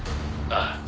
「ああ。